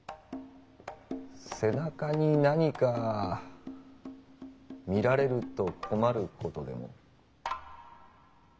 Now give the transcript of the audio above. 「背中」に何か見られると困ることでも？